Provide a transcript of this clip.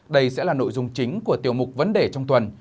đây sẽ là nội dung chính của tiêu mục vấn đề trong tuần